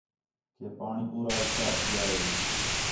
کہ پاݨی پورا اُچّا اَچ ڳِیا ہِے